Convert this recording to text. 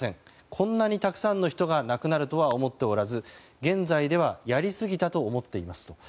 こんなにたくさんの人が亡くなるとは思っておらず現在ではやりすぎたと思っていますと。